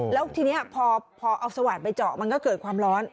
แล้วทีนี้พอเอาสวาดไปเจาะมันก็เกิดความร้อน